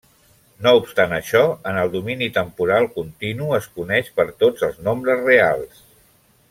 No obstant això, en el domini temporal continu es coneix per tots els nombres reals.